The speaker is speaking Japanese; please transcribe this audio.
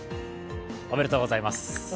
おめでとうございます。